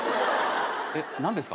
えっ何ですか？